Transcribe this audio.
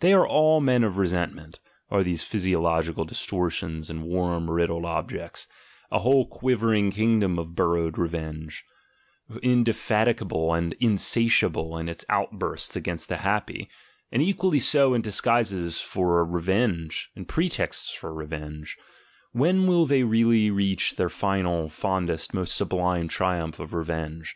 They are all men of resentment, are these physiological distortions and worm riddled objects, a whole quivering kingdom of bur rowing revenge, indefatigable and insatiable in its out bursts against the happy, and equally so in disguises for revenge, in pretexts for revenge: when will they really reach their final, fondest, most sublime triumph of re venge?